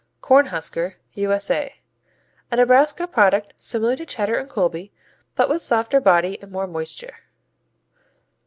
Cornhusker U.S.A. A Nebraska product similar to Cheddar and Colby, but with softer body and more moisture.